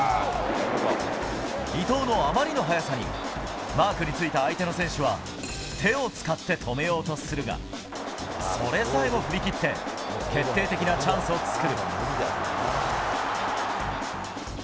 伊東のあまりの速さに、マークについた相手の選手は、手を使って止めようとするが、それさえも振り切って、決定的なチャンスを作る。